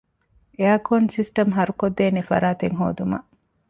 އެއާރކޯން ސިސްޓަމް ހަރުކޮށްދޭނެ ފަރާތެއް ހޯދުމަށް